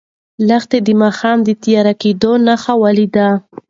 لښتې د ماښام د تیاره کېدو نښې ولیدې.